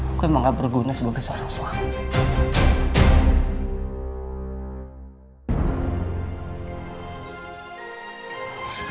aku emang gak berguna sebagai seorang suami